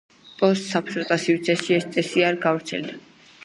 პოსტ-საბჭოთა სივრცეში ეს წესი არ გავრცელდა.